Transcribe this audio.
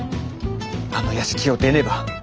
あの屋敷を出ねば。